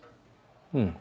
うん。